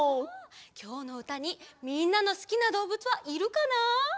きょうのうたにみんなのすきなどうぶつはいるかな？